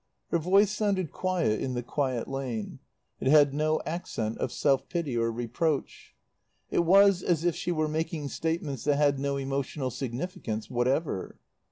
Her voice sounded quiet in the quiet lane; it had no accent of self pity or reproach. It was as if she were making statements that had no emotional significance whatever.